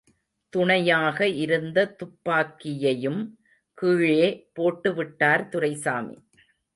துணையாக இருந்த துப்பாக்கியையும் கீழே போட்டுவிட்டார் துரைசாமி.